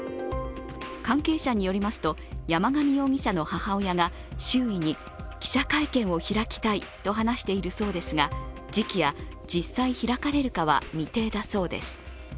関係者によりますと、山上容疑者の母親が周囲に記者会見を開きたいと話しているそうですが、時期や実際開かれるかは未定だそうです。